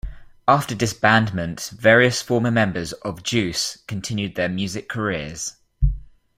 After disbandment various former members of Juice continued their music careers.